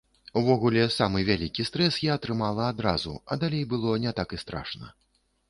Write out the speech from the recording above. Увогуле, самы вялікі стрэс я атрымала адразу, а далей было не так і страшна.